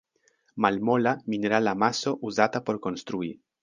Malmola, minerala maso uzata por konstrui.